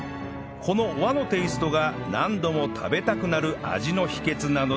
この和のテイストが何度も食べたくなる味の秘訣なのだそう